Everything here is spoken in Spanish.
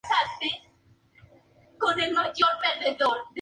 Trata de la actualidad de China, con los contenidos de la vida diaria.